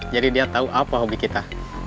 jadi dia tau apa hobi kita